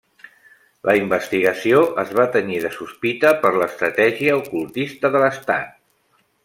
La investigació es va tenyir de sospita per l'estratègia ocultista de l'Estat.